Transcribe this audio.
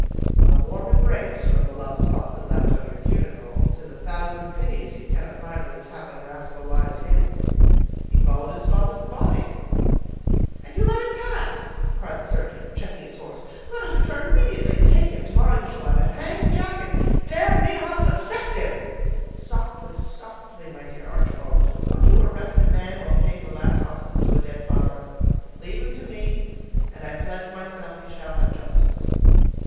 "A warm embrace, from the love spots it left on your cuticle; 'tis a thousand pities that you cannot find where the tattling rascal lies hid." "He followed his father's body." "And you let him pass!" cried the surgeon, checking his horse. "Let us return immediately, and take him; to morrow you shall have him hanged, Jack,—and, damn him, I'll dissect him!" "Softly, softly, my dear Archibald. Would you arrest a man while paying the last offices to a dead father? Leave him to me, and I pledge myself he shall have justice."